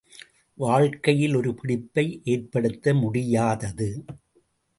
வாழ்க்கையில் ஒரு பிடிப்பை ஏற்படுத்த முடியாதது.